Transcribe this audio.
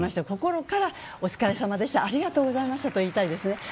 心からお疲れさまでしたありがとうございましたと言いたいですね。